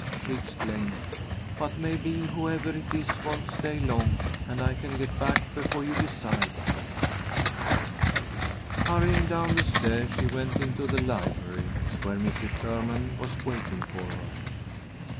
she exclaimed. "But maybe whoever it is won't stay long, and I can get back before you decide." Hurrying down the stairs, she went into the library, where Mrs. Sherman was waiting for her.